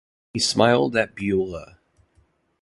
He smiled at Behula.